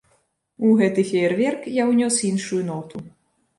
У гэты феерверк я ўнёс іншую ноту.